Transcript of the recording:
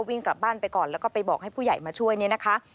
วิ่งกลับบ้านไปก่อนแล้วก็ไปบอกให้ผู้ใหญ่มาช่วยเนี่ยนะคะ